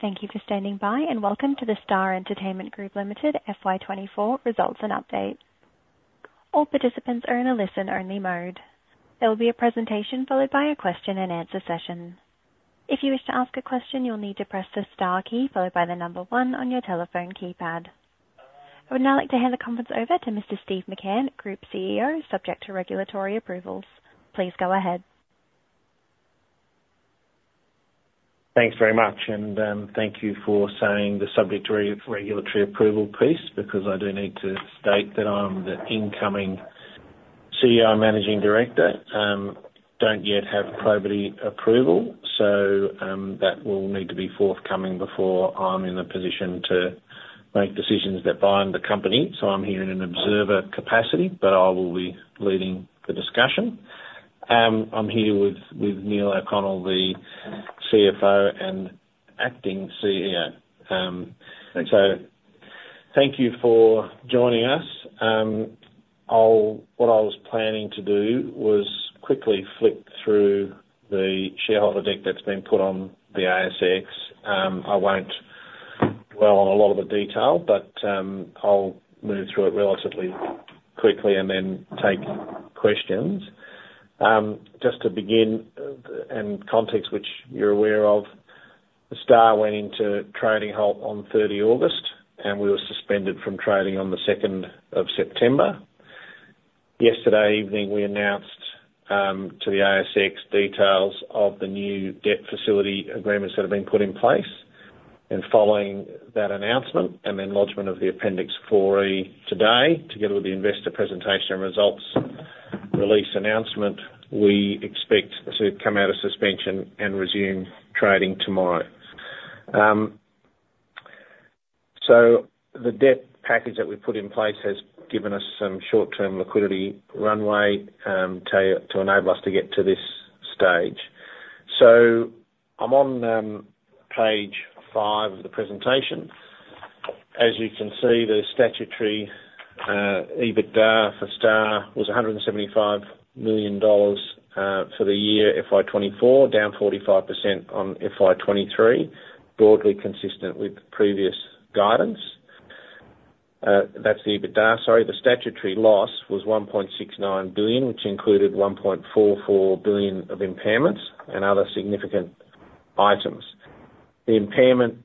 Thank you for standing by, and welcome to the Star Entertainment Group Limited FY 2024 results and update. All participants are in a listen-only mode. There will be a presentation, followed by a question and answer session. If you wish to ask a question, you'll need to press the star key followed by the number one on your telephone keypad. I would now like to hand the conference over to Mr. Steve McCann, Group CEO, subject to regulatory approvals. Please go ahead. Thanks very much, and thank you for saying the subject to regulatory approval piece, because I do need to state that I'm the incoming CEO Managing Director. Don't yet have probity approval, so that will need to be forthcoming before I'm in a position to make decisions that bind the company. I'm here in an observer capacity, but I will be leading the discussion. I'm here with Neale O'Connell, the CFO and acting CEO. So thank you for joining us. What I was planning to do was quickly flick through the shareholder deck that's been put on the ASX. I won't dwell on a lot of the detail, but I'll move through it relatively quickly, and then take questions. Just to begin, and in context which you're aware of, The Star went into trading halt on 30th of August, and we were suspended from trading on the 2nd of September. Yesterday evening, we announced to the ASX details of the new debt facility agreements that have been put in place, and following that announcement, and then lodgement of the Appendix 4E today, together with the investor presentation and results release announcement, we expect to come out of suspension and resume trading tomorrow, so the debt package that we've put in place has given us some short-term liquidity runway to enable us to get to this stage, so I'm on page five of the presentation. As you can see, the statutory EBITDA for Star was AUD 175 million for the year FY 2024, down 45% on FY 2023, broadly consistent with previous guidance. That's the EBITDA, sorry. The statutory loss was 1.69 billion, which included 1.4 billion of impairments and other significant items. The impairment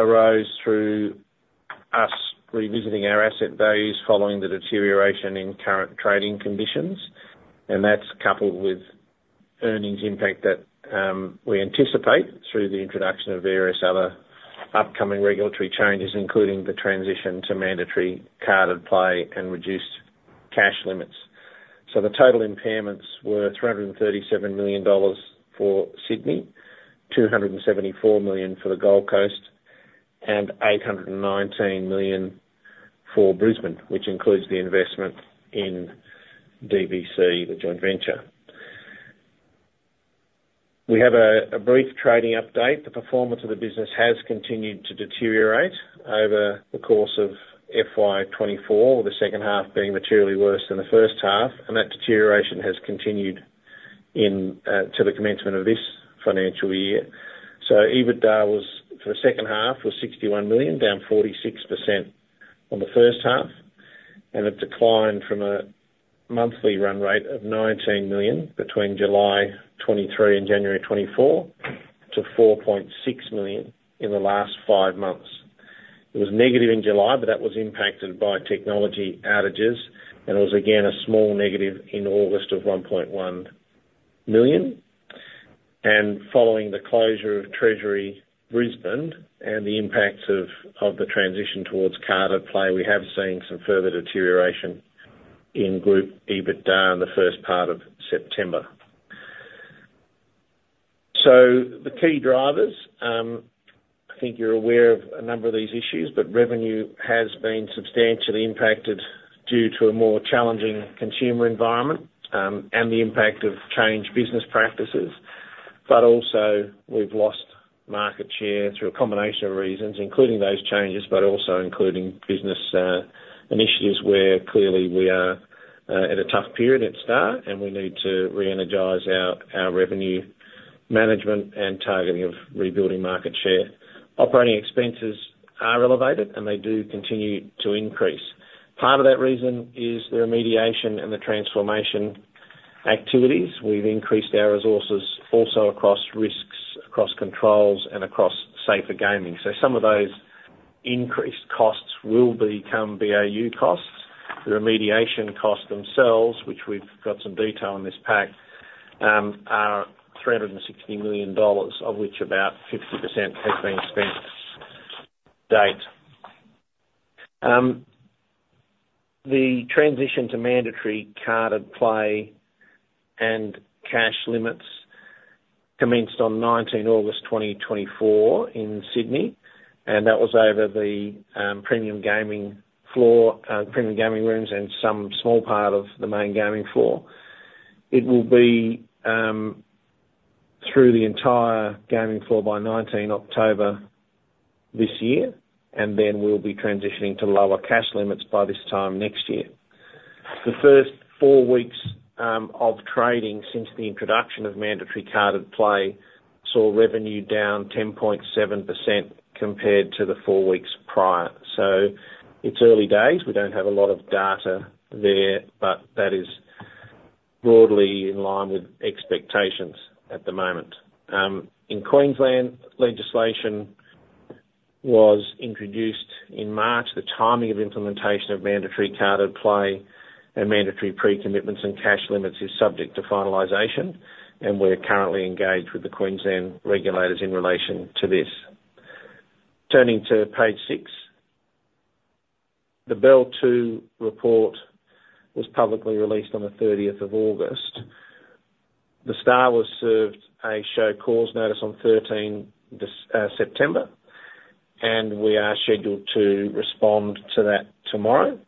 arose through us revisiting our asset values following the deterioration in current trading conditions, and that's coupled with earnings impact that we anticipate through the introduction of various other upcoming regulatory changes, including the transition to mandatory carded play and reduced cash limits. So the total impairments were 337 million dollars for Sydney, 274 million for the Gold Coast, and 819 million for Brisbane, which includes the investment in DBC, the joint venture. We have a brief trading update. The performance of the business has continued to deteriorate over the course of FY 2024, the second half being materially worse than the first half, and that deterioration has continued in to the commencement of this financial year. So EBITDA was for the second half 61 million, down 46% on the first half, and it declined from a monthly run rate of 19 million between July 2023 and January 2024, to 4.6 million in the last five months. It was negative in July, but that was impacted by technology outages, and it was again a small negative in August of 1.1 million. Following the closure of Treasury Brisbane and the impacts of the transition towards carded play, we have seen some further deterioration in group EBITDA in the first part of September. So the key drivers, I think you're aware of a number of these issues, but revenue has been substantially impacted due to a more challenging consumer environment, and the impact of changed business practices. But also, we've lost market share through a combination of reasons, including those changes, but also including business initiatives, where clearly we are at a tough period at Star, and we need to re-energize our revenue management and targeting of rebuilding market share. Operating expenses are elevated, and they do continue to increase. Part of that reason is the remediation and the transformation activities. We've increased our resources also across risks, across controls, and across safer gaming. So some of those increased costs will become BAU costs. The remediation costs themselves, which we've got some detail in this pack, are 360 million dollars, of which about 50% has been spent to date. The transition to mandatory carded play and cash limits commenced on 19 August 2024 in Sydney, and that was over the premium gaming floor, premium gaming rooms and some small part of the main gaming floor. It will be through the entire gaming floor by 19th October this year, and then we'll be transitioning to lower cash limits by this time next year. The first four weeks of trading since the introduction of mandatory carded play saw revenue down 10.7% compared to the four weeks prior. So it's early days. We don't have a lot of data there, but that is broadly in line with expectations at the moment. In Queensland, legislation was introduced in March. The timing of implementation of mandatory carded play and mandatory pre-commitments and cash limits is subject to finalization, and we're currently engaged with the Queensland regulators in relation to this. Turning to page six, The Star Two report was publicly released on the thirtieth of August. The Star was served a show cause notice on thirteen September, and we are scheduled to respond to that tomorrow,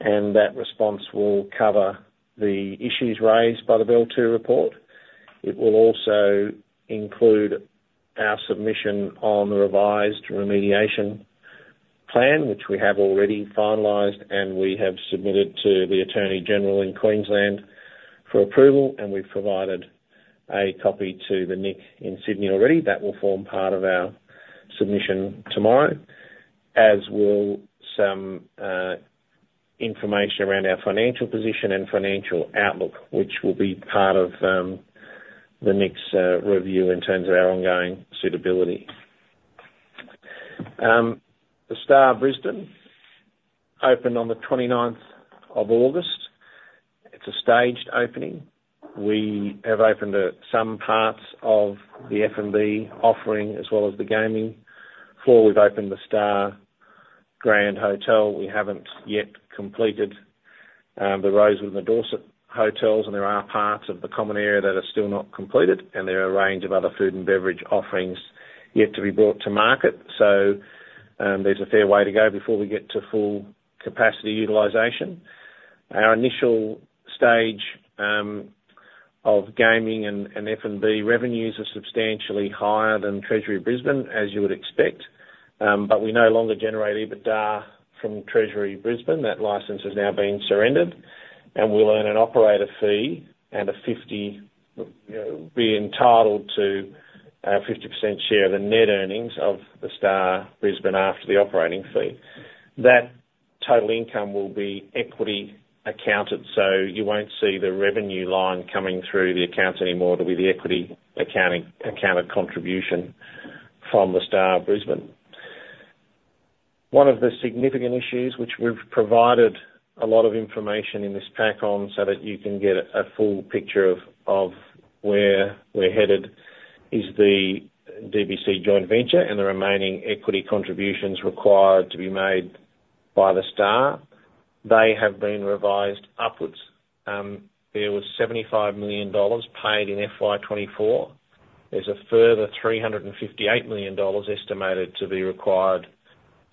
and that response will cover the issues raised by The Star Two report. It will also include our submission on the revised remediation plan, which we have already finalized, and we have submitted to the Attorney General in Queensland for approval, and we've provided a copy to the NICC in Sydney already. That will form part of our submission tomorrow, as will some information around our financial position and financial outlook, which will be part of the next review in terms of our ongoing suitability. The Star Brisbane opened on the 29th of August. It's a staged opening. We have opened some parts of the F&B offering as well as the gaming floor. We've opened The Star Grand Hotel. We haven't yet completed the Rosewood and the Dorsett hotels, and there are parts of the common area that are still not completed, and there are a range of other food and beverage offerings yet to be brought to market. So, there's a fair way to go before we get to full capacity utilization. Our initial stage of gaming and F&B revenues are substantially higher than Treasury Brisbane, as you would expect, but we no longer generate EBITDA from Treasury Brisbane. That license has now been surrendered, and we'll earn an operator fee and be entitled to a 50% share of the net earnings of The Star Brisbane, after the operating fee. That total income will be equity accounted, so you won't see the revenue line coming through the accounts anymore. It'll be the equity accounted contribution from The Star Brisbane. One of the significant issues, which we've provided a lot of information in this pack on, so that you can get a full picture of where we're headed, is the DBC joint venture and the remaining equity contributions required to be made by The Star. They have been revised upwards. There was 75 million dollars paid in FY 2024. There's a further 358 million dollars estimated to be required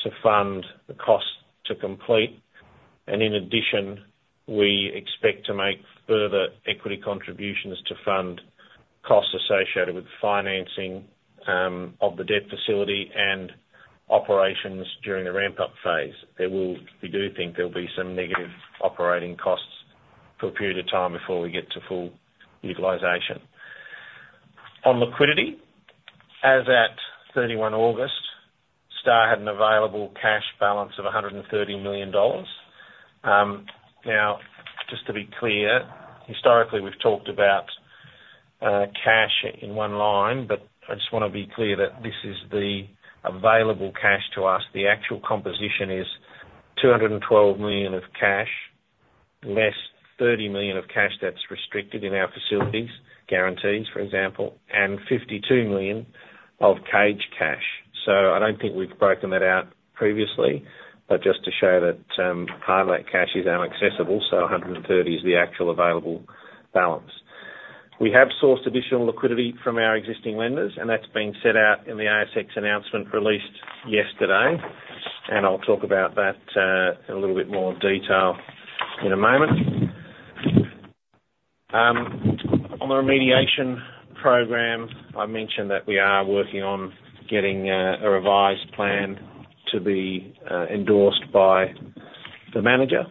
to fund the cost to complete, and in addition, we expect to make further equity contributions to fund costs associated with financing of the debt facility and operations during the ramp-up phase. We do think there'll be some negative operating costs for a period of time before we get to full utilization. On liquidity, as at 31 August, Star had an available cash balance of 130 million dollars. Now, just to be clear, historically, we've talked about cash in one line, but I just wanna be clear that this is the available cash to us. The actual composition is 212 million of cash, less 30 million of cash that's restricted in our facilities, guarantees, for example, and 52 million of cage cash, so I don't think we've broken that out previously, but just to show that, part of that cash is inaccessible, so 130 is the actual available balance. We have sourced additional liquidity from our existing lenders, and that's been set out in the ASX announcement released yesterday, and I'll talk about that, in a little bit more detail in a moment. On the remediation program, I mentioned that we are working on getting, a revised plan to be, endorsed by the manager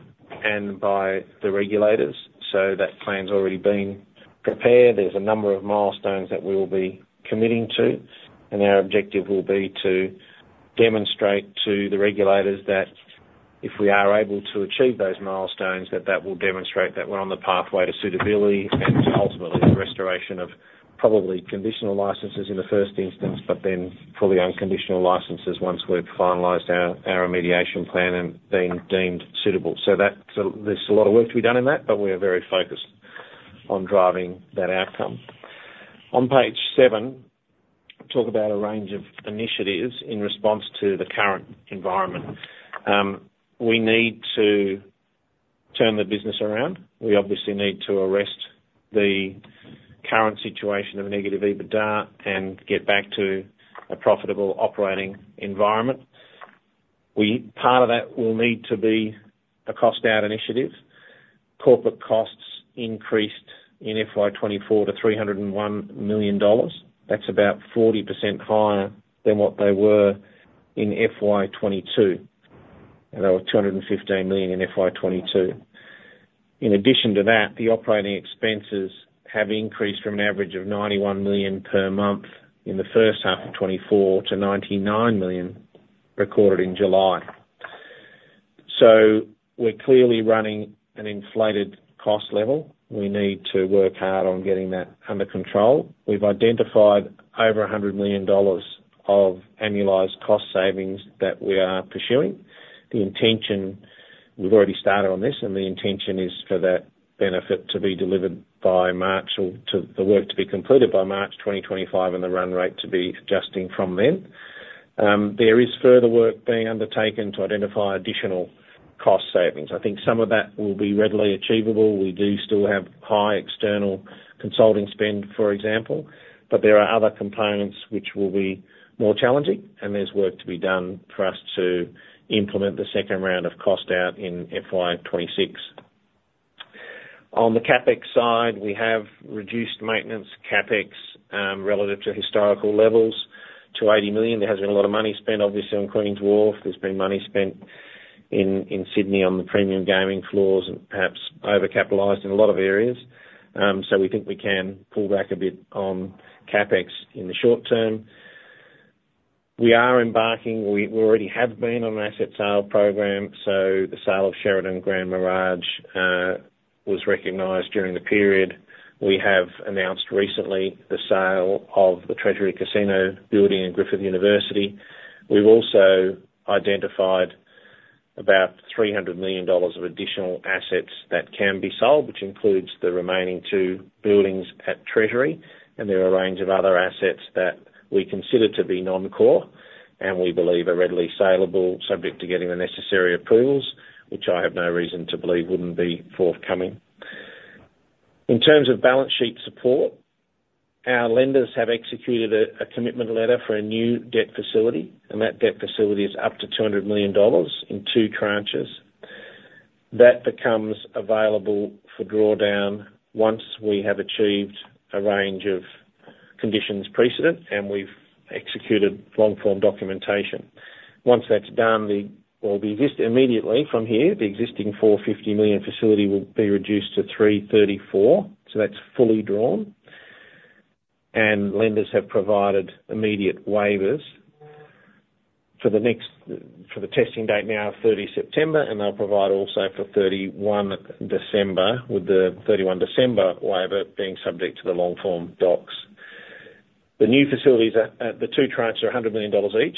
and by the regulators, so that plan's already been prepared. There's a number of milestones that we will be committing to, and our objective will be to demonstrate to the regulators that if we are able to achieve those milestones, that that will demonstrate that we're on the pathway to suitability and ultimately, the restoration of probably conditional licenses in the first instance, but then fully unconditional licenses once we've finalized our, our remediation plan and been deemed suitable. So there's a lot of work to be done in that, but we are very focused on driving that outcome. On page seven, talk about a range of initiatives in response to the current environment. We need to turn the business around. We obviously need to arrest the current situation of a negative EBITDA, and get back to a profitable operating environment. Part of that will need to be a cost-out initiative, corporate costs. Increased in FY 2024 to 301 million dollars. That's about 40% higher than what they were in FY 2022, and they were 215 million in FY 2022. In addition to that, the operating expenses have increased from an average of 91 million per month in the first half of 2024 to 99 million, recorded in July. So we're clearly running an inflated cost level. We need to work hard on getting that under control. We've identified over 100 million dollars of annualized cost savings that we are pursuing. The intention, we've already started on this, and the intention is for that benefit to be delivered by March, or to the work to be completed by March 2025, and the run rate to be adjusting from then. There is further work being undertaken to identify additional cost savings. I think some of that will be readily achievable. We do still have high external consulting spend, for example, but there are other components which will be more challenging, and there's work to be done for us to implement the second round of cost out in FY 2026. On the CapEx side, we have reduced maintenance CapEx relative to historical levels, to 80 million. There has been a lot of money spent, obviously, on Queen's Wharf. There's been money spent in Sydney on the premium gaming floors and perhaps overcapitalized in a lot of areas. So we think we can pull back a bit on CapEx in the short term. We already have been on an asset sale program, so the sale of Sheraton Grand Mirage was recognized during the period. We have announced recently the sale of the Treasury Casino building to Griffith University. We've also identified about 300 million dollars of additional assets that can be sold, which includes the remaining two buildings at Treasury, and there are a range of other assets that we consider to be non-core, and we believe are readily saleable, subject to getting the necessary approvals, which I have no reason to believe wouldn't be forthcoming. In terms of balance sheet support, our lenders have executed a commitment letter for a new debt facility, and that debt facility is up to 200 million dollars in two tranches. That becomes available for drawdown once we have achieved a range of conditions precedent, and we've executed long-form documentation. Once that's done, the existing immediately from here, the existing 450 million facility will be reduced to 334 million, so that's fully drawn. Lenders have provided immediate waivers for the testing date, 30 September, and they'll provide also for 31 December, with the 31 December waiver being subject to the long-form docs. The new facilities at the two tranches are 100 million dollars each,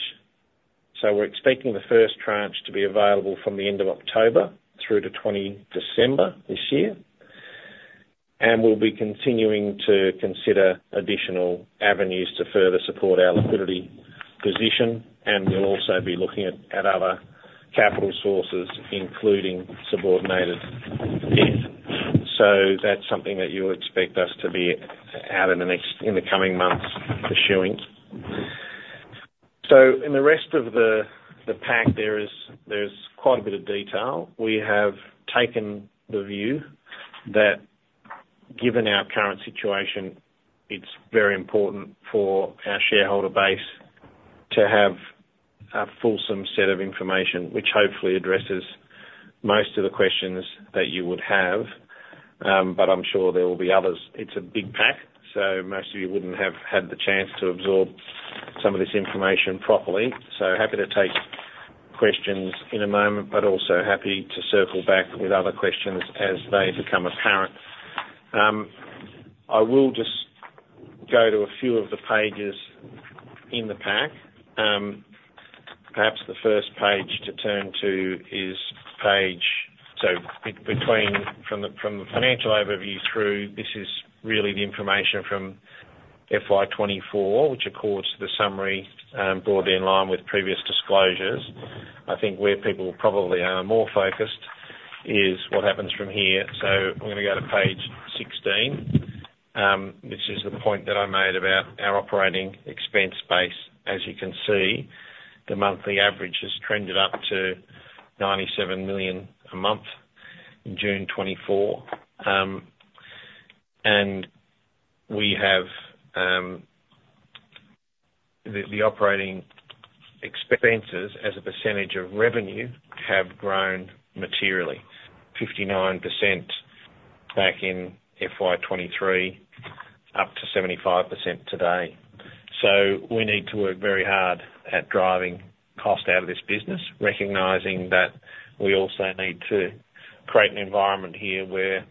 so we're expecting the first tranche to be available from the end of October through to 20 December this year. We'll be continuing to consider additional avenues to further support our liquidity position, and we'll also be looking at other capital sources, including subordinated debt. That's something that you would expect us to be at in the coming months, pursuing. So in the rest of the pack, there is quite a bit of detail. We have taken the view that given our current situation, it's very important for our shareholder base to have a fulsome set of information, which hopefully addresses most of the questions that you would have. But I'm sure there will be others. It's a big pack, so most of you wouldn't have had the chance to absorb some of this information properly. So happy to take questions in a moment, but also happy to circle back with other questions as they become apparent. I will just go to a few of the pages in the pack. Perhaps the first page to turn to is page... So between from the financial overview through, this is really the information from FY 2024, which accords to the summary, broadly in line with previous disclosures. I think where people probably are more focused is what happens from here. I'm gonna go to page 16, which is the point that I made about our operating expense base. As you can see, the monthly average has trended up to 97 million a month in June 2024. And we have the operating expenses as a percentage of revenue have grown materially. 59% back in FY 2023, up to 75% today. We need to work very hard at driving cost out of this business, recognizing that we also need to create an environment here where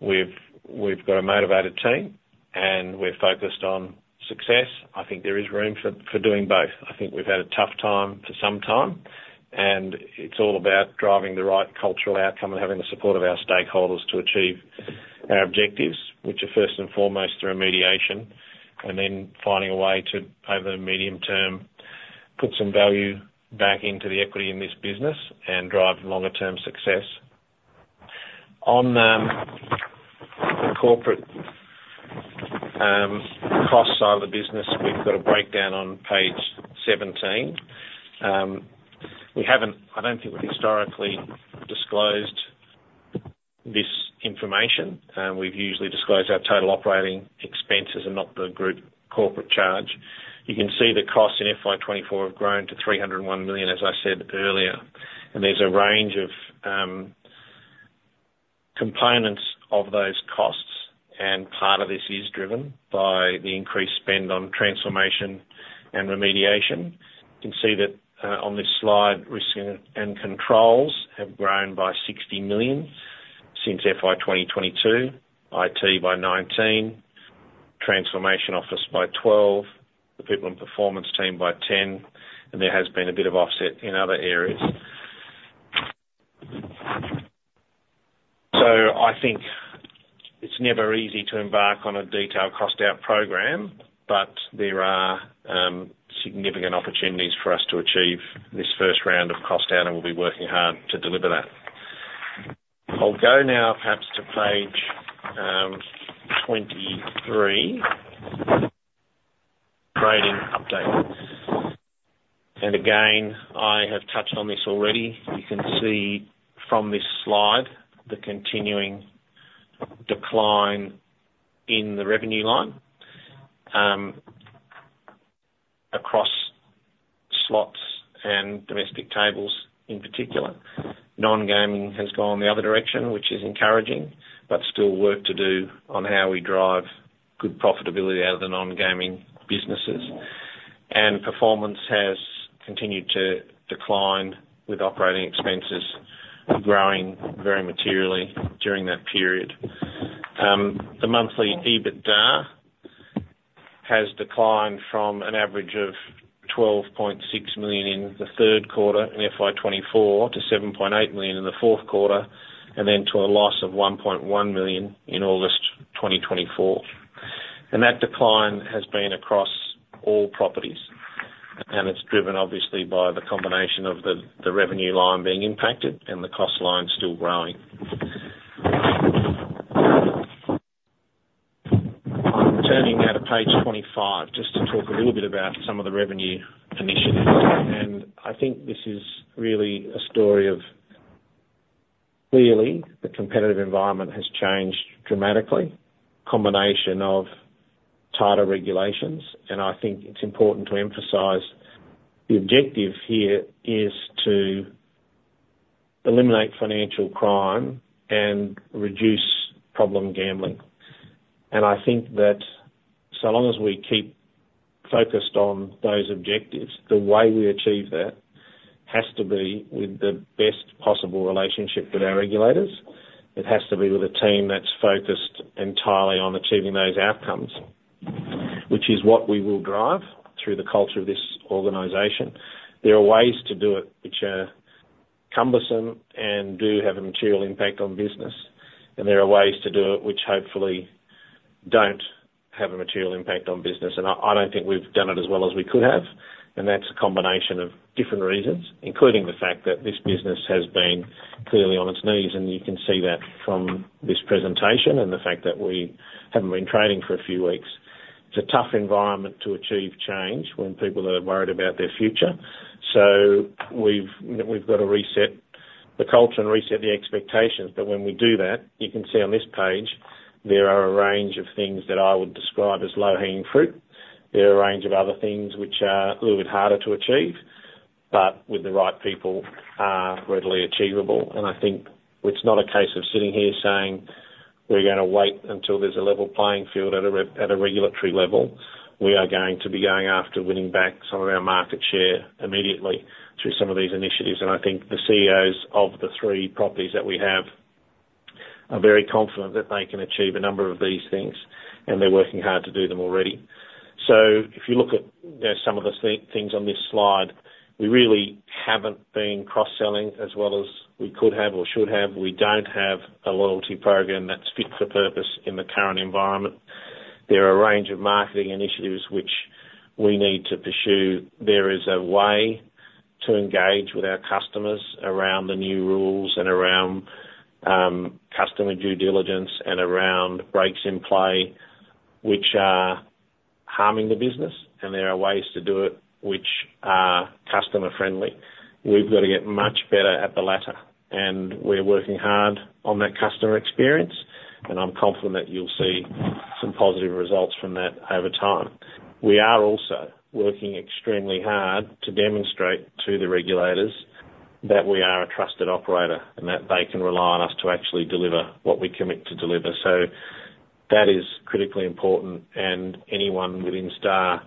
we've got a motivated team, and we're focused on success. I think there is room for doing both. I think we've had a tough time for some time, and it's all about driving the right cultural outcome and having the support of our stakeholders to achieve our objectives, which are first and foremost, remediation, and then finding a way to, over the medium term, put some value back into the equity in this business and drive longer-term success. On, cost side of the business, we've got a breakdown on page 17. We haven't, I don't think we've historically disclosed this information, and we've usually disclosed our total operating expenses and not the group corporate charge. You can see the costs in FY 2024 have grown to 301 million, as I said earlier, and there's a range of components of those costs, and part of this is driven by the increased spend on transformation and remediation. You can see that on this slide, risk and controls have grown by 60 million since FY 2022, IT by 19, Transformation Office by 12, the People and Performance team by 10, and there has been a bit of offset in other areas. So I think it's never easy to embark on a detailed cost-out program, but there are significant opportunities for us to achieve this first round of cost-out, and we'll be working hard to deliver that. I'll go now, perhaps, to page 23, trading update. Again, I have touched on this already. You can see from this slide the continuing decline in the revenue line, across slots and domestic tables, in particular. Non-gaming has gone the other direction, which is encouraging, but still work to do on how we drive good profitability out of the non-gaming businesses, and performance has continued to decline, with operating expenses growing very materially during that period. The monthly EBITDA has declined from an average of 12.6 million in the third quarter in FY 2024 to 7.8 million in the fourth quarter, and then to a loss of 1.1 million in August 2024. That decline has been across all properties, and it's driven obviously by the combination of the revenue line being impacted and the cost line still growing. Turning now to page 25, just to talk a little bit about some of the revenue initiatives, and I think this is really a story of... Clearly, the competitive environment has changed dramatically, combination of tighter regulations, and I think it's important to emphasize the objective here is to eliminate financial crime and reduce problem gambling. And I think that so long as we keep focused on those objectives, the way we achieve that has to be with the best possible relationship with our regulators. It has to be with a team that's focused entirely on achieving those outcomes, which is what we will drive through the culture of this organization. There are ways to do it which are cumbersome and do have a material impact on business, and there are ways to do it which hopefully don't have a material impact on business. And I don't think we've done it as well as we could have, and that's a combination of different reasons, including the fact that this business has been clearly on its knees, and you can see that from this presentation and the fact that we haven't been trading for a few weeks. It's a tough environment to achieve change when people are worried about their future. So we've got to reset the culture and reset the expectations. But when we do that, you can see on this page, there are a range of things that I would describe as low-hanging fruit. There are a range of other things which are a little bit harder to achieve, but with the right people, are readily achievable. I think it's not a case of sitting here saying, "We're gonna wait until there's a level playing field at a regulatory level." We are going to be going after winning back some of our market share immediately through some of these initiatives. I think the CEOs of the three properties that we have are very confident that they can achieve a number of these things, and they're working hard to do them already. If you look at, you know, some of the things on this slide, we really haven't been cross-selling as well as we could have or should have. We don't have a loyalty program that's fit for purpose in the current environment. There are a range of marketing initiatives which we need to pursue. There is a way to engage with our customers around the new rules and around, customer due diligence and around breaks in play, which are harming the business, and there are ways to do it, which are customer-friendly. We've got to get much better at the latter, and we're working hard on that customer experience, and I'm confident you'll see some positive results from that over time. We are also working extremely hard to demonstrate to the regulators that we are a trusted operator, and that they can rely on us to actually deliver what we commit to deliver. So that is critically important, and anyone within Star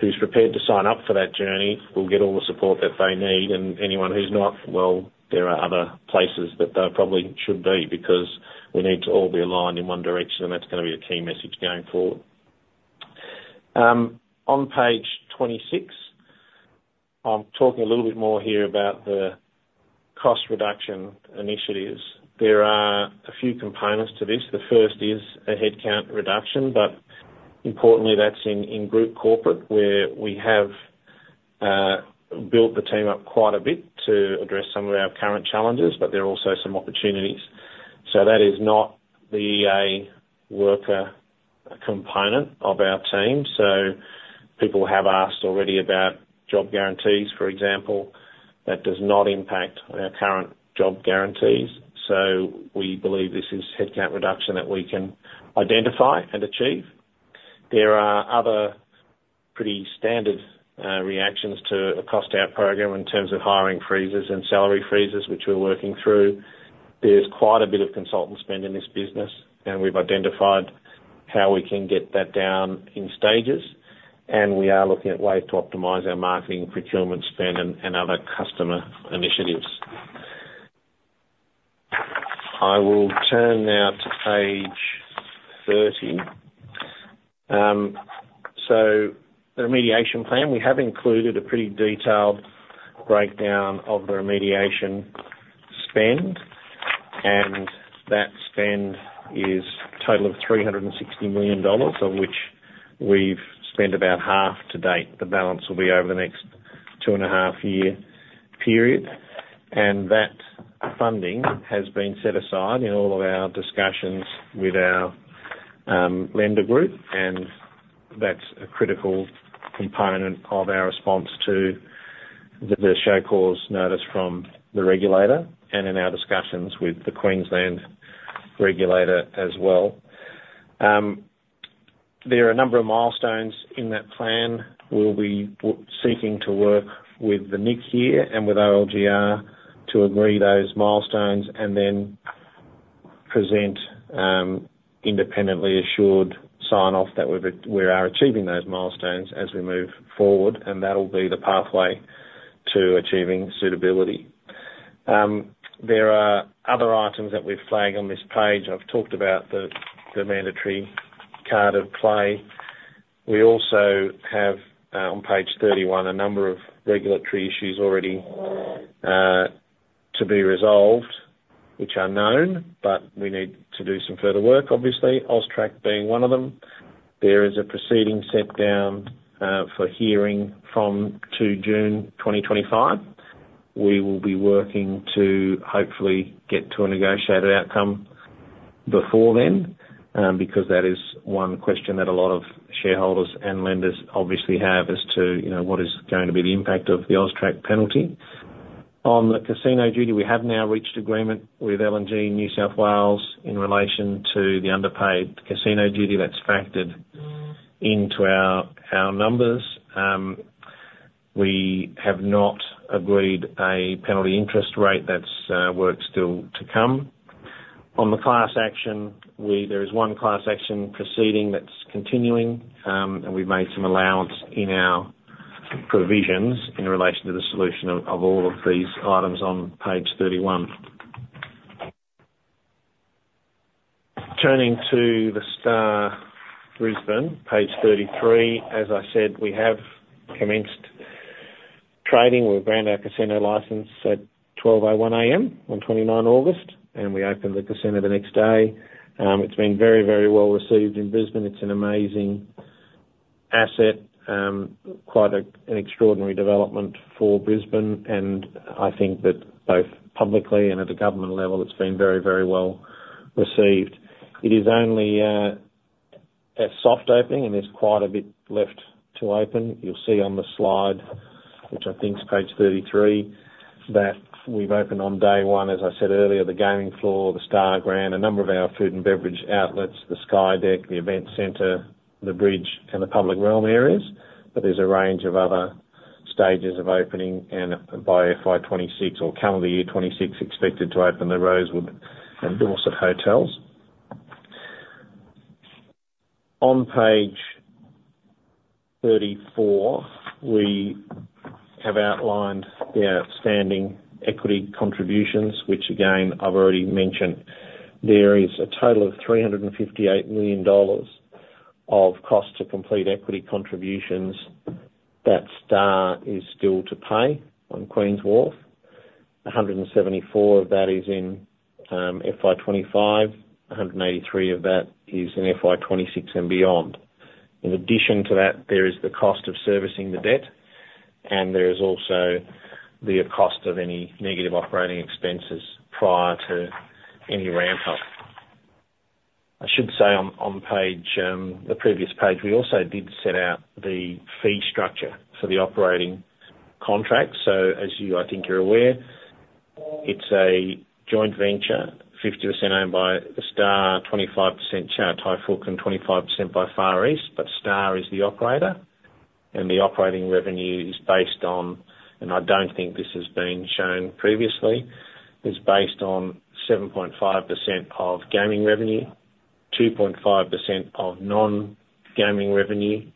who's prepared to sign up for that journey will get all the support that they need. Anyone who's not, well, there are other places that they probably should be, because we need to all be aligned in one direction, and that's gonna be a key message going forward. On page 26, I'm talking a little bit more here about the cost reduction initiatives. There are a few components to this. The first is a headcount reduction, but importantly, that's in group corporate, where we have built the team up quite a bit to address some of our current challenges, but there are also some opportunities. That is not the worker component of our team. People have asked already about job guarantees, for example, that does not impact our current job guarantees. We believe this is headcount reduction that we can identify and achieve. There are other pretty standard reactions to a cost-out program in terms of hiring freezes and salary freezes, which we're working through. There's quite a bit of consultant spend in this business, and we've identified how we can get that down in stages, and we are looking at ways to optimize our marketing, procurement spend, and other customer initiatives. I will turn now to page 30. So the remediation plan, we have included a pretty detailed breakdown of the remediation spend, and that spend is a total of 360 million dollars, of which we've spent about half to date. The balance will be over the next 2.5 year period, and that funding has been set aside in all of our discussions with our lender group, and that's a critical component of our response to the show cause notice from the regulator and in our discussions with the Queensland regulator as well. There are a number of milestones in that plan. We'll be seeking to work with the NICC here and with OLGR to agree those milestones and then present independently assured sign-off that we are achieving those milestones as we move forward, and that'll be the pathway to achieving suitability. There are other items that we've flagged on this page. I've talked about the mandatory carded play. We also have, on page 31, a number of regulatory issues already to be resolved, which are known, but we need to do some further work, obviously, AUSTRAC being one of them. There is a proceeding set down for hearing from to June 2025. We will be working to hopefully get to a negotiated outcome before then, because that is one question that a lot of shareholders and lenders obviously have as to, you know, what is going to be the impact of the AUSTRAC penalty. On the casino duty, we have now reached agreement with Liquor & Gaming New South Wales in relation to the underpaid casino duty that's factored into our numbers. We have not agreed a penalty interest rate. That's work still to come On the class action, there is one class action proceeding that's continuing, and we've made some allowance in our provisions in relation to the solution of all of these items on page thirty-one. Turning to The Star Brisbane, page thirty-three. As I said, we have commenced trading. We were granted our casino license at 12:01 A.M. on 29 August, and we opened the casino the next day. It's been very, very well received in Brisbane. It's an amazing asset, quite a, an extraordinary development for Brisbane, and I think that both publicly and at the government level, it's been very, very well received. It is only a soft opening, and there's quite a bit left to open. You'll see on the slide, which I think is page 33, that we've opened on day one, as I said earlier, the gaming floor, the Star Grand, a number of our food and beverage outlets, the Sky Deck, the Event Centre, the bridge, and the public realm areas. But there's a range of other stages of opening, and by FY 2026 or calendar year 2026, expected to open the Rosewood and Dorsett hotels. On page 34, we have outlined our outstanding equity contributions, which again, I've already mentioned. There is a total of 358 million dollars of cost to complete equity contributions that Star is still to pay on Queen's Wharf. 174 million of that is in FY 2025, 183 million of that is in FY 2026 and beyond. In addition to that, there is the cost of servicing the debt, and there is also the cost of any negative operating expenses prior to any ramp up. I should say on the previous page, we also did set out the fee structure for the operating contract. So as you, I think, are aware, it's a joint venture, 50% owned by The Star, 25% shared by Chow Tai Fook, and 25% by Far East. But Star is the operator, and the operating revenue is based on, and I don't think this has been shown previously, is based on 7.5% of gaming revenue, 2.5% of non-gaming revenue,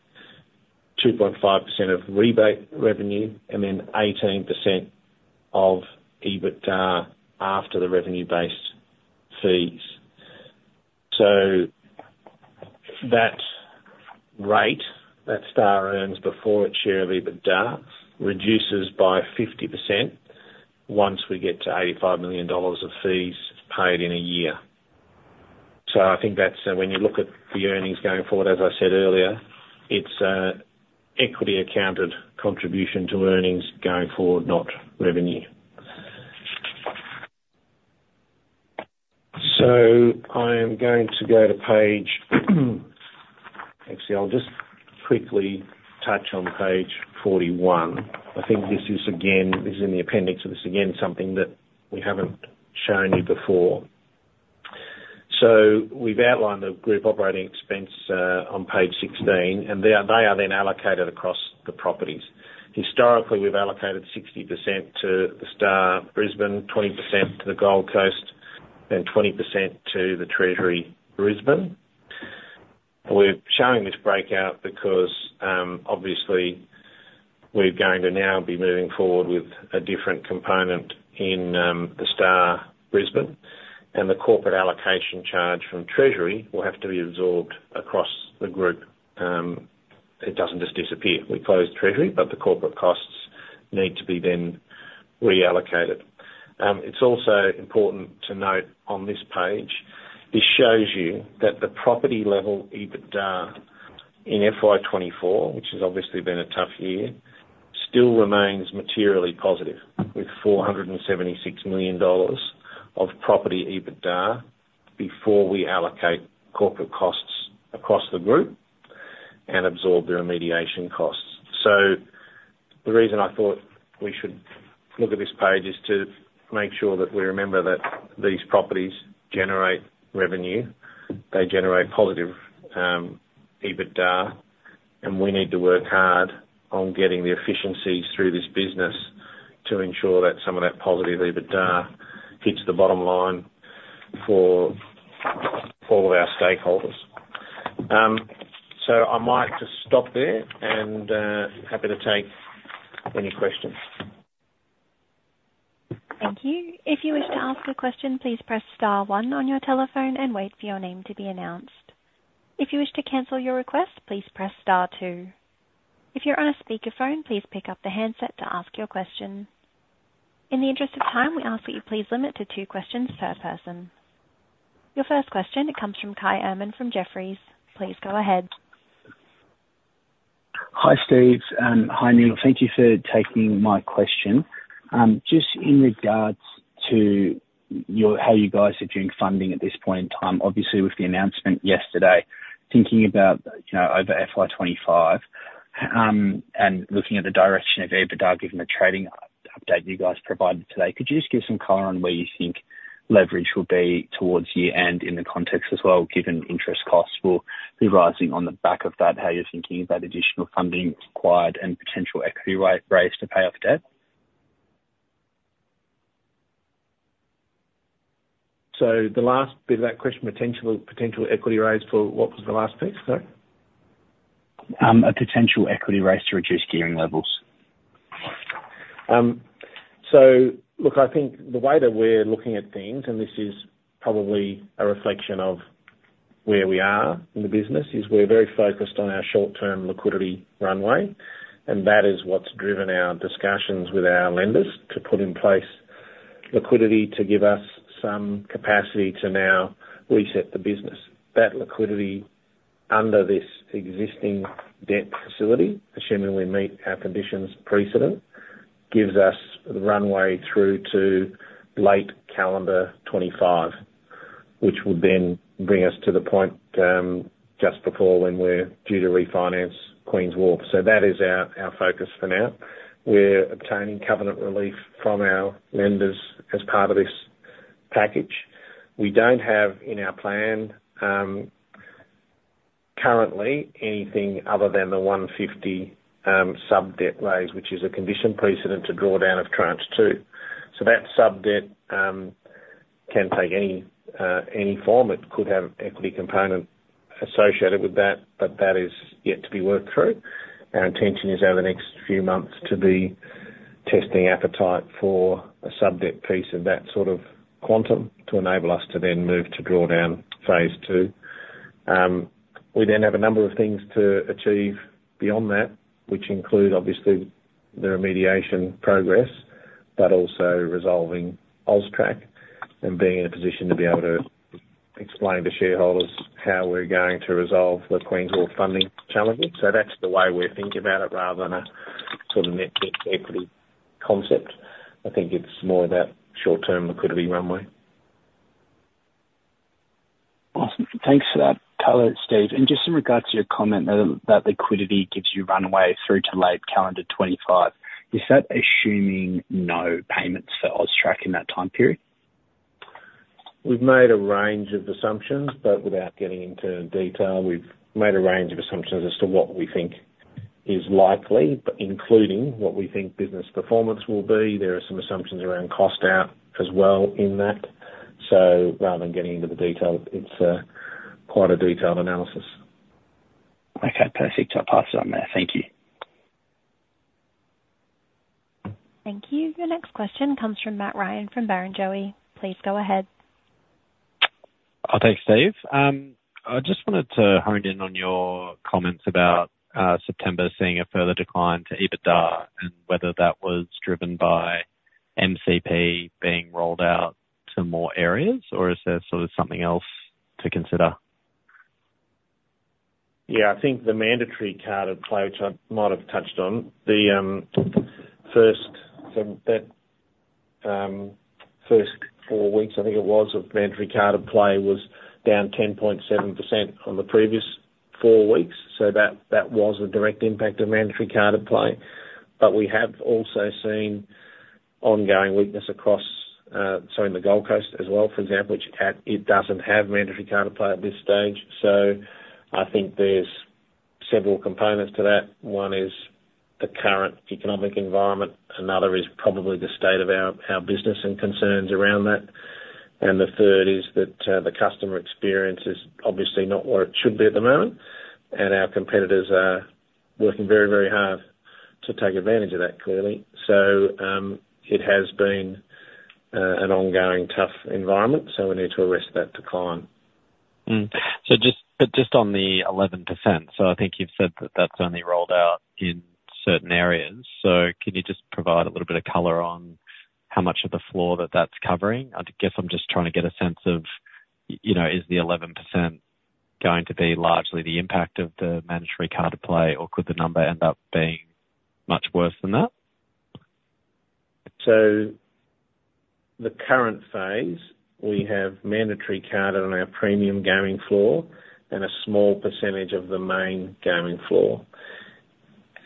2.5% of rebate revenue, and then 18% of EBITDA after the revenue-based fees. So that rate that Star earns before its share of EBITDA reduces by 50% once we get to 85 million dollars of fees paid in a year. So I think that's when you look at the earnings going forward. As I said earlier, it's equity accounted contribution to earnings going forward, not revenue. So I am going to go to page. Actually, I'll just quickly touch on page 41. I think this is, again, this is in the appendix, and this is, again, something that we haven't shown you before. So we've outlined the group operating expense on page 16, and they are then allocated across the properties. Historically, we've allocated 60% to The Star Brisbane, 20% to the Gold Coast, and 20% to the Treasury Brisbane. We're showing this breakout because, obviously we're going to now be moving forward with a different component in The Star Brisbane, and the corporate allocation charge from Treasury will have to be absorbed across the group. It doesn't just disappear. We closed Treasury, but the corporate costs need to be then reallocated. It's also important to note on this page, this shows you that the property level EBITDA in FY 2024, which has obviously been a tough year, still remains materially positive, with 476 million dollars of property EBITDA before we allocate corporate costs across the group and absorb the remediation costs. So the reason I thought we should look at this page is to make sure that we remember that these properties generate revenue, they generate positive EBITDA, and we need to work hard on getting the efficiencies through this business to ensure that some of that positive EBITDA hits the bottom line for all of our stakeholders, so I might just stop there and happy to take any questions. Thank you. If you wish to ask a question, please press star one on your telephone and wait for your name to be announced. If you wish to cancel your request, please press star two. If you're on a speakerphone, please pick up the handset to ask your question. In the interest of time, we ask that you please limit to two questions per person. Your first question comes from Kai Erman from Jefferies. Please go ahead. Hi, Steve, and hi, Neale. Thank you for taking my question. Just in regards to how you guys are doing funding at this point in time, obviously with the announcement yesterday, thinking about, you know, over FY 2025, and looking at the direction of EBITDA, given the trading update you guys provided today, could you just give some color on where you think leverage will be towards year-end in the context as well, given interest costs will be rising on the back of that, how you're thinking about additional funding required and potential equity raise to pay off debt? So the last bit of that question, potential equity raise for. What was the last piece, sorry? A potential equity raise to reduce gearing levels. So look, I think the way that we're looking at things, and this is probably a reflection of where we are in the business, is we're very focused on our short-term liquidity runway, and that is what's driven our discussions with our lenders to put in place liquidity to give us some capacity to now reset the business. That liquidity under this existing debt facility, assuming we meet our conditions precedent, gives us the runway through to late calendar 2025, which would then bring us to the point just before when we're due to refinance Queen's Wharf. So that is our focus for now. We're obtaining covenant relief from our lenders as part of this package. We don't have, in our plan, currently anything other than the 150 sub-debt raise, which is a condition precedent to draw down of Tranche Two. So that sub-debt can take any form. It could have equity component associated with that, but that is yet to be worked through. Our intention is over the next few months to be testing appetite for a sub-debt piece of that sort of quantum, to enable us to then move to draw down phase two. We then have a number of things to achieve beyond that, which include obviously the remediation progress, but also resolving AUSTRAC and being in a position to be able to explain to shareholders how we're going to resolve the Queen's Wharf funding challenges. So that's the way we're thinking about it, rather than a sort of net equity concept. I think it's more that short-term liquidity runway. Awesome. Thanks for that color, Steve. And just in regards to your comment that, that liquidity gives you runway through to late calendar twenty-five, is that assuming no payments for AUSTRAC in that time period? We've made a range of assumptions, but without getting into detail, we've made a range of assumptions as to what we think is likely, but including what we think business performance will be. There are some assumptions around cost out as well in that. So rather than getting into the detail, it's quite a detailed analysis. Okay, perfect. I'll pass it on there. Thank you. Thank you. The next question comes from Matt Ryan, from Barrenjoey. Please go ahead. Thanks, Steve. I just wanted to hone in on your comments about September seeing a further decline to EBITDA and whether that was driven by MCP being rolled out to more areas, or is there sort of something else to consider? Yeah, I think the mandatory carded play, which I might have touched on, the first four weeks, I think it was, of mandatory carded play was down 10.7% on the previous four weeks, so that, that was a direct impact of mandatory carded play. But we have also seen ongoing weakness across in the Gold Coast as well, for example, which it doesn't have mandatory carded play at this stage. So I think there's several components to that. One is the current economic environment, another is probably the state of our business and concerns around that, and the third is that the customer experience is obviously not where it should be at the moment, and our competitors are working very, very hard to take advantage of that, clearly. It has been an ongoing tough environment, so we need to arrest that decline. So, but just on the 11%, so I think you've said that that's only rolled out in certain areas. So can you just provide a little bit of color on how much of the floor that that's covering? I guess I'm just trying to get a sense of, you know, is the 11% going to be largely the impact of the mandatory carded play, or could the number end up being much worse than that? So the current phase, we have mandatory carded on our premium gaming floor and a small percentage of the main gaming floor.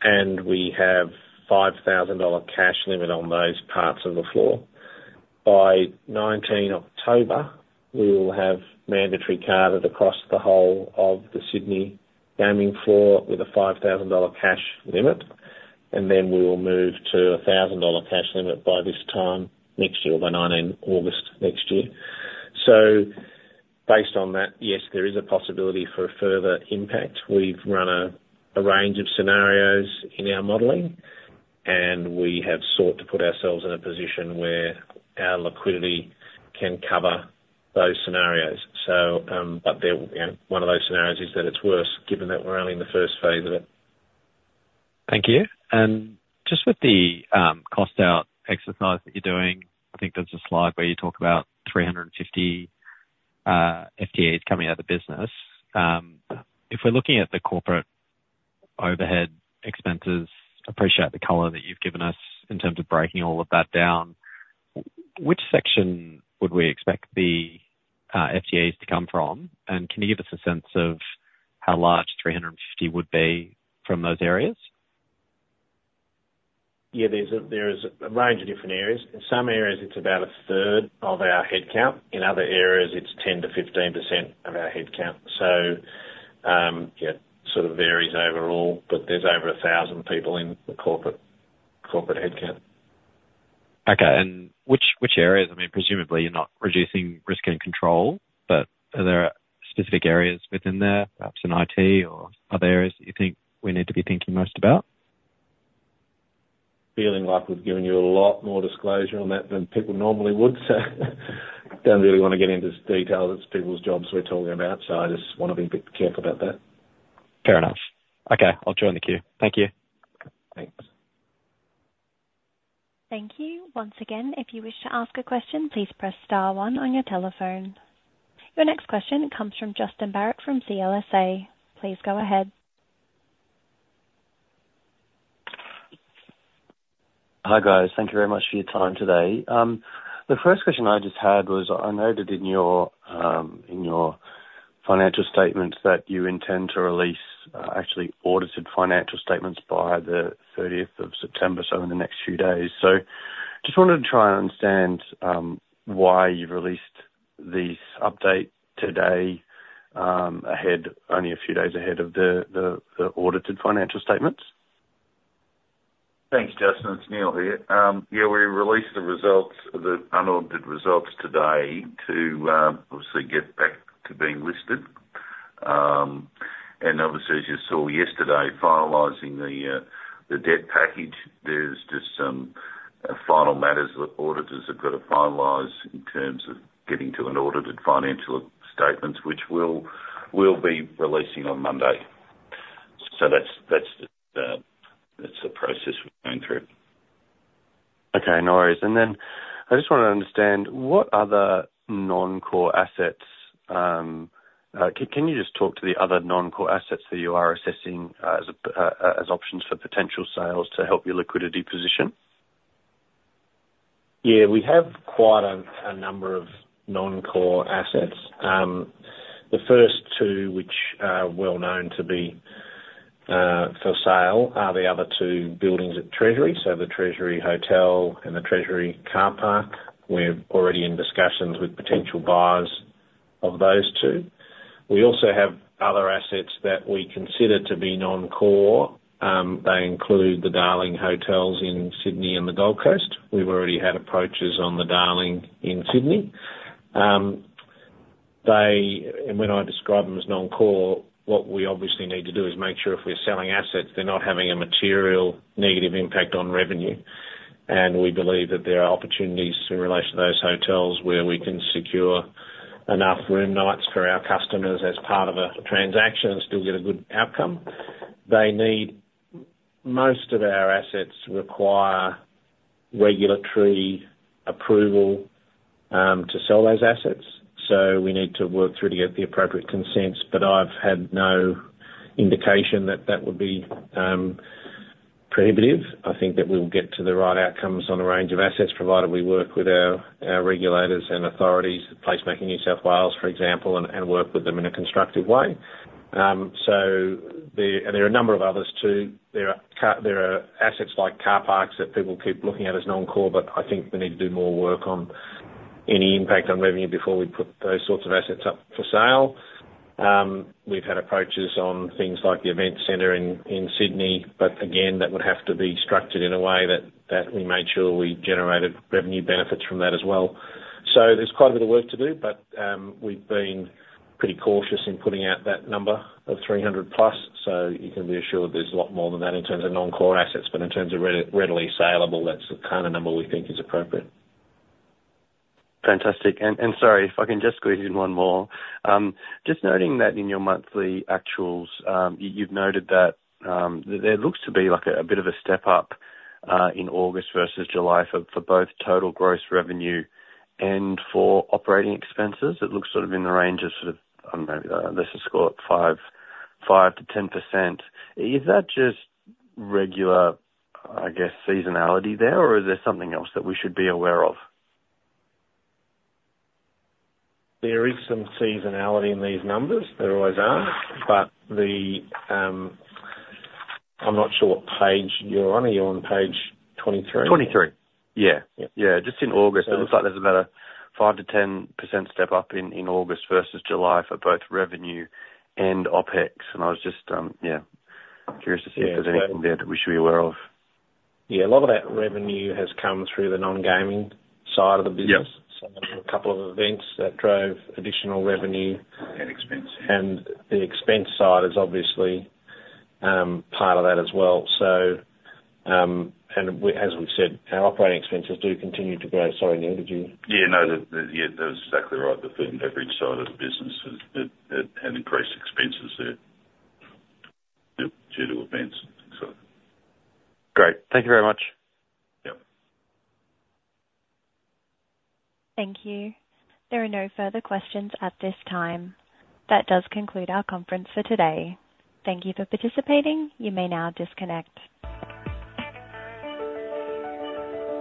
And we have 5,000 dollar cash limit on those parts of the floor. By 19th October, we will have mandatory carded across the whole of the Sydney gaming floor with a 5,000 dollar cash limit, and then we will move to a 1,000 dollar cash limit by this time next year, by 19th August next year. So based on that, yes, there is a possibility for a further impact. We've run a range of scenarios in our modeling, and we have sought to put ourselves in a position where our liquidity can cover those scenarios. So, but there, you know, one of those scenarios is that it's worse, given that we're only in the first phase of it. Thank you, and just with the cost out exercise that you're doing, I think there's a slide where you talk about 350 FTEs coming out of the business. If we're looking at the corporate overhead expenses, appreciate the color that you've given us in terms of breaking all of that down, which section would we expect the FTEs to come from? And can you give us a sense of how large 350 would be from those areas? Yeah, there's a range of different areas. In some areas, it's about a third of our headcount. In other areas, it's 10%-15% of our headcount. So, yeah, sort of varies overall, but there's over 1,000 people in the corporate headcount. Okay, and which, which areas? I mean, presumably you're not reducing risk and control, but are there specific areas within there, perhaps in IT or other areas that you think we need to be thinking most about? Feeling like we've given you a lot more disclosure on that than people normally would, so don't really wanna get into detail. It's people's jobs we're talking about, so I just wanna be a bit careful about that. Fair enough. Okay, I'll join the queue. Thank you. Thanks. Thank you. Once again, if you wish to ask a question, please press star one on your telephone. Your next question comes from Justin Barratt, from CLSA. Please go ahead. Hi, guys. Thank you very much for your time today. The first question I just had was, I noted in your financial statements that you intend to release, actually audited financial statements by the 30th of September, so in the next few days. So just wanted to try and understand why you've released this update today, ahead, only a few days ahead of the audited financial statements? Thanks, Justin. It's Neale here. Yeah, we released the results, the unaudited results today to obviously get back to being listed. And obviously, as you saw yesterday, finalizing the debt package, there's just some final matters that auditors have got to finalize in terms of getting to an audited financial statements, which we'll be releasing on Monday. So that's the process we're going through. Okay, no worries. And then I just wanted to understand, what other non-core assets can you just talk to the other non-core assets that you are assessing, as options for potential sales to help your liquidity position? Yeah, we have quite a number of non-core assets. The first two, which are well known to be for sale, are the other two buildings at Treasury, so the Treasury Hotel and the Treasury car park. We're already in discussions with potential buyers of those two. We also have other assets that we consider to be non-core. They include The Darling hotels in Sydney and the Gold Coast. We've already had approaches on The Darling in Sydney. And when I describe them as non-core, what we obviously need to do is make sure if we're selling assets, they're not having a material negative impact on revenue. And we believe that there are opportunities in relation to those hotels where we can secure enough room nights for our customers as part of a transaction and still get a good outcome. Most of our assets require regulatory approval to sell those assets, so we need to work through to get the appropriate consents. But I've had no indication that that would be prohibitive. I think that we'll get to the right outcomes on a range of assets, provided we work with our regulators and authorities, Placemaking New South Wales, for example, and work with them in a constructive way. So there are a number of others, too. There are assets like car parks that people keep looking at as non-core, but I think we need to do more work on any impact on revenue before we put those sorts of assets up for sale. We've had approaches on things like the Event Centre in Sydney, but again, that would have to be structured in a way that we made sure we generated revenue benefits from that as well. So there's quite a bit of work to do, but we've been pretty cautious in putting out that number of 300 plus. So you can be assured there's a lot more than that in terms of non-core assets, but in terms of readily salable, that's the kind of number we think is appropriate. Fantastic. And sorry, if I can just squeeze in one more. Just noting that in your monthly actuals, you, you've noted that there looks to be, like, a bit of a step up in August versus July for both total gross revenue and for operating expenses. It looks sort of in the range of sort of, let's just call it 5%-10%. Is that just regular, I guess, seasonality there? Or is there something else that we should be aware of? There is some seasonality in these numbers, there always are. But I'm not sure what page you're on. Are you on page 23? 23. Yeah. Yeah. Yeah, just in August, it looks like there's about a 5%-10% step up in August versus July for both revenue and OpEx, and I was just, yeah, curious to see if there's anything there that we should be aware of? Yeah, a lot of that revenue has come through the non-gaming side of the business. Yeah. A couple of events that drove additional revenue- -and expense. And the expense side is obviously part of that as well. So, as we've said, our operating expenses do continue to grow. Sorry, Neale, did you- Yeah, no, that, yeah, that's exactly right. The food and beverage side of the business has had increased expenses there. Yep, due to events, so. Great. Thank you very much. Yeah. Thank you. There are no further questions at this time. That does conclude our conference for today. Thank you for participating. You may now disconnect.